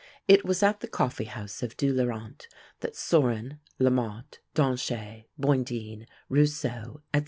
It was at the coffee house of Du Laurent that Saurin, La Motte, Danchet, Boindin, Rousseau, &c.